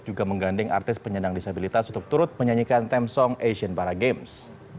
juga mengganding artis penyandang disabilitas untuk turut menyanyikan temsong asian para games